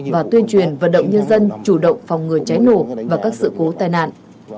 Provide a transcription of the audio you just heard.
và tuyên truyền vận động nhân dân chủ động phòng ngừa cháy nổ và các sự cố tai nạn